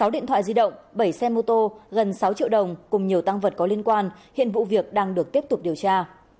sáu điện thoại di động bảy xe mô tô gần sáu triệu đồng cùng nhiều tăng vật có liên quan hiện vụ việc đang được tiếp tục điều tra